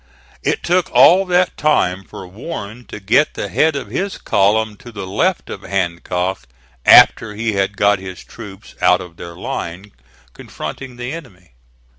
It took all that time for Warren to get the head of his column to the left of Hancock after he had got his troops out of their line confronting the enemy.